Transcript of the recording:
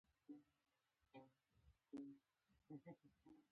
ښه اخلاق د ژوند ښایست دی.